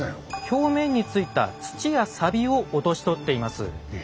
表面についた土やサビを落とし取っています。